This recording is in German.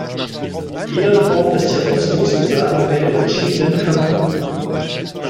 Jeder Form des Terrorismus sagen wir den entschiedenen Kampf an.